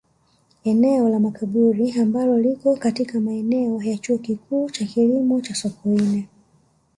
Eneo la Makaburi ambalo lipo katika maeneo ya Chuo Kikuu cha Kilimo cha Sokoine